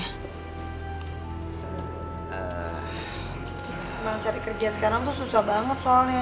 emang cari kerja sekarang tuh susah banget soalnya